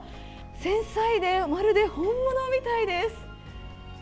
繊細でまるで本物みたいです。